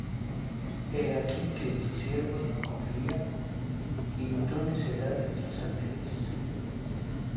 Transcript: He aquí que en sus siervos no confía, Y notó necedad en sus ángeles